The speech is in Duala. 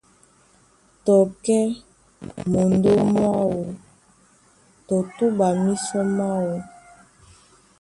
Tɔ kɛ́ mondó mwáō tɔ túɓa mísɔ máō.